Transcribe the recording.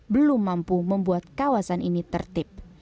belum mampu membuat kawasan ini tertib